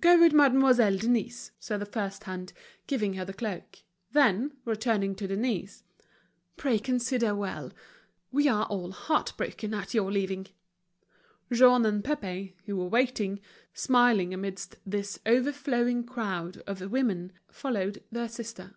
"Go with Mademoiselle Denise," said the first hand, giving her the cloak. Then, returning to Denise: "Pray consider well. We are all heart broken at your leaving." Jean and Pépé, who were waiting, smiling amidst this overflowing crowd of women, followed their sister.